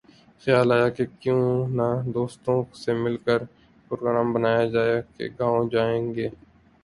خیال آیا کہ کیوں نہ دوستوں سے مل کر پروگرام بنایا جائے کہ گاؤں جائیں گے